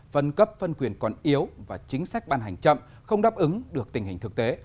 phân cấp phân quyền còn yếu và chính sách ban hành chậm không đáp ứng được tình hình thực tế